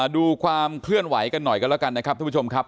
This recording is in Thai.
ดูความเคลื่อนไหวกันหน่อยกันแล้วกันนะครับทุกผู้ชมครับ